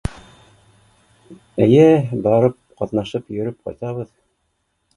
Эйе барып ҡатнашып йөрөп ҡайтабыҙ